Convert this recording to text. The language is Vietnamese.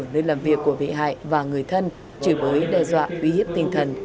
nơi làm việc của bị hài và người thân chỉ với đe dọa quý hiệp tinh thần